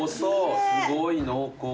すごい濃厚な。